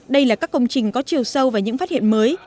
đây là các công trình có chiều sâu và những phát hiện mới